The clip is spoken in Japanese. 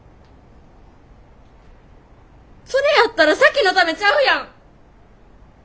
それやったら咲妃のためちゃうやん。